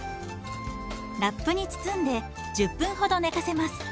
ラップに包んで１０分ほど寝かせます。